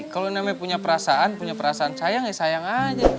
kalau namanya punya perasaan punya perasaan sayang ya sayang aja